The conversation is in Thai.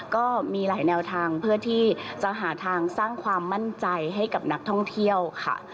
ก็มีหลายแนวทางเพื่อที่จะหาทางสร้างความมั่นใจให้กับนักท่องเที่ยวค่ะ